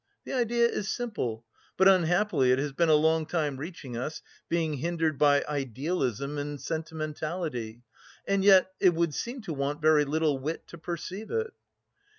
The idea is simple, but unhappily it has been a long time reaching us, being hindered by idealism and sentimentality. And yet it would seem to want very little wit to perceive it..."